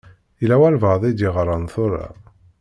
Yella walebɛaḍ i d-yeɣṛan tura.